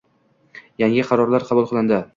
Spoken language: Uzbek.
Yangi qarorlar qabul qilindi